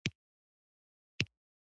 هغه ژبه مري چې نه کارول کیږي.